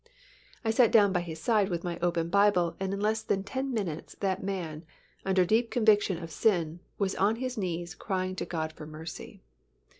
I sat down by his side with my open Bible and in less than ten minutes that man, under deep conviction of sin, was on his knees crying to God for mercy.